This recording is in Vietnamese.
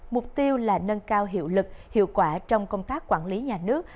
mục tiêu là nâng cao hiệu lực hiệu quả trong công tác quản lý nhà nước